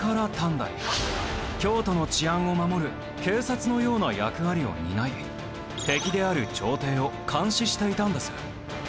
京都の治安を守る警察のような役割を担い敵である朝廷を監視していたんです。